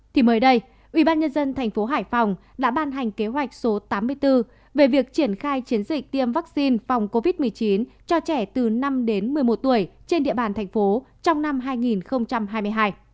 thì mới đây ubnd tp hải phòng đã ban hành kế hoạch số tám mươi bốn về việc triển khai chiến dịch tiêm vaccine phòng covid một mươi chín cho trẻ từ năm đến một mươi một tuổi trên địa bàn thành phố trong năm hai nghìn hai mươi hai